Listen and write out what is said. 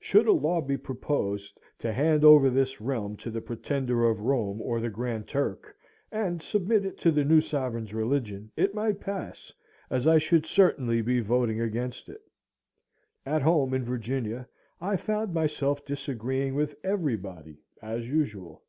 Should a law be proposed to hand over this realm to the Pretender of Rome, or the Grand Turk, and submit it to the new sovereign's religion, it might pass, as I should certainly be voting against it. At home in Virginia, I found myself disagreeing with everybody as usual.